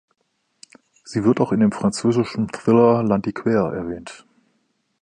Sie wird auch in dem französischen Thriller „L'Antiquaire“ erwähnt.